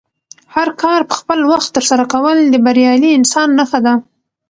هر کار په خپل وخت ترسره کول د بریالي انسان نښه ده.